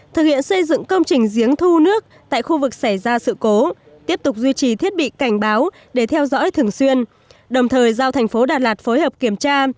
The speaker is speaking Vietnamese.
thực hiện xây dựng công trình giếng thu nước tại khu vực xảy ra sự cố tiếp tục duy trì thiết bị cảnh báo để theo dõi thường xuyên đồng thời giao thành phố đà lạt phối hợp kiểm tra